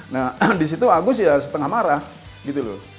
nah disitu agus ya setengah marah gitu loh